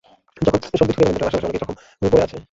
যখন সংবিৎ ফিরে পেলেন, দেখলেন আশপাশে অনেকেই জখম হয়ে পড়ে আছে।